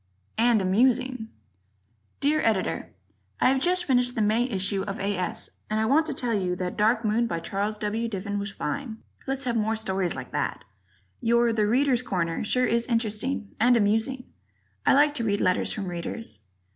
" And Amusing" Dear Editor: I have just finished the May issue of A. S. and I want to tell you that "Dark Moon," by Charles W. Diffin, was fine. Let's have more stories like that. Your "The Readers' Corner" sure is interesting and amusing. I like to read letters from Readers.